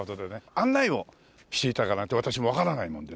案内をして頂かないと私もわからないもんでね